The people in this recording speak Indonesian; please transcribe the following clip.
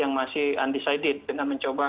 yang masih undecided dengan mencoba